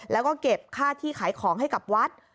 แล้วก็เก็บค่าที่ขายของให้กับวัด